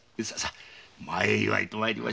前祝いと参りましょう。